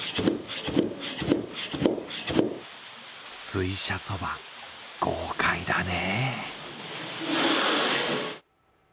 水車そば、豪快だね。